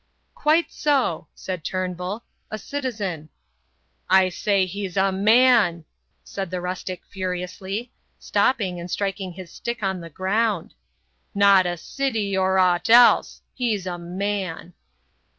"Quite so," said Turnbull, "a citizen." "I say he's a man," said the rustic furiously, stopping and striking his stick on the ground. "Not a city or owt else. He's a man."